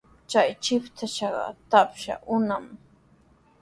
Chay shipashqa trapsa umami.